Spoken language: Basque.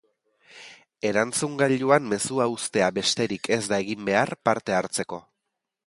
Erantzungailuan mezua uztea besterik ez da egin behar parte hartzeko.